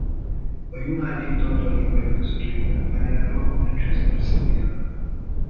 A United tartalékai között lépett pályára a Manchester City ellen.